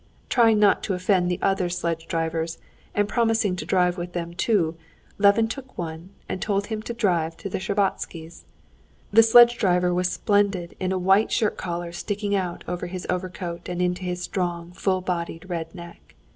Trying not to offend the other sledge drivers, and promising to drive with them too, Levin took one and told him to drive to the Shtcherbatskys'. The sledge driver was splendid in a white shirt collar sticking out over his overcoat and into his strong, full blooded red neck.